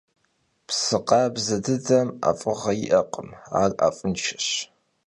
Psı khabze dıdem 'ef'ığe yi'ekhım, ar 'ef'ınşşeş.